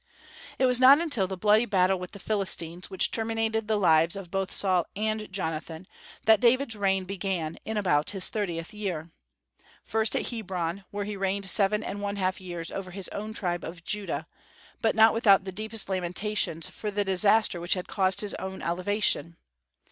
It was not until the bloody battle with the Philistines, which terminated the lives of both Saul and Jonathan, that David's reign began in about his thirtieth year, first at Hebron, where he reigned seven and one half years over his own tribe of Judah, but not without the deepest lamentations for the disaster which had caused his own elevation.